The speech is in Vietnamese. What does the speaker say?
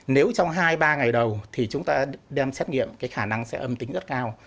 nếu trong hai ba ngày đầu thì chúng ta đem xét nghiệm cái khả năng sẽ âm tính rất cao